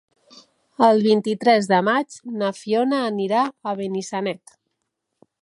El vint-i-tres de maig na Fiona anirà a Benissanet.